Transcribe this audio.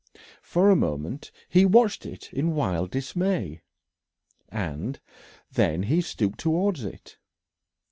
For a moment he watched it in wild dismay, and then he stooped towards it.